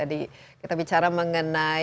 jadi kita harus berpikir pikir